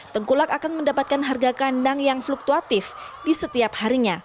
tengkulak akan mendapatkan harga kandang yang fluktuatif di setiap harinya